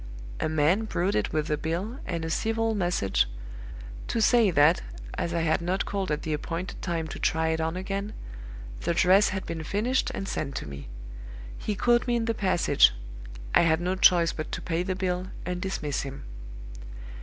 "A man brought it with the bill, and a civil message, to say that, as I had not called at the appointed time to try it on again, the dress had been finished and sent to me. He caught me in the passage; I had no choice but to pay the bill, and dismiss him.